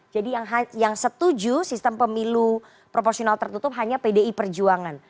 jadi yang setuju sistem pemilu proporsional tertutup hanya pdi perjuangan